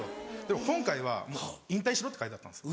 でも今回は引退しろって書いてあったんです。